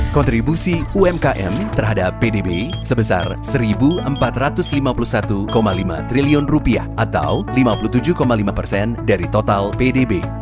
kontribusi umkm terhadap pdb sebesar rp satu empat ratus lima puluh satu lima triliun atau lima puluh tujuh lima persen dari total pdb